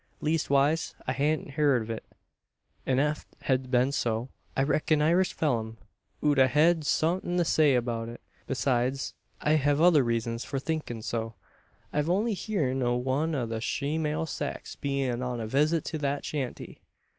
Leestwise, I hain't heern o' it; an eft hed been so, I reckun Irish Pheelum ud a hed somethin' to say abeout it. Besides, I hev other reezuns for thinkin' so. I've only heern o' one o' the shemale sex bein' on a visit to thet shanty."